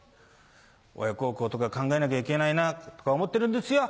親孝行とか考えなきゃいけないなとか思ってるんですよ。